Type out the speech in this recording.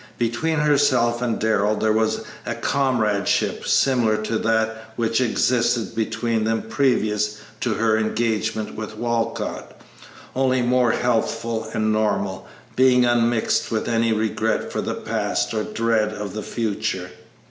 Between herself and Darrell there was a comradeship similar to that which existed between them previous to her engagement with Walcott, only more healthful and normal, being unmixed with any regret for the past or dread of the future.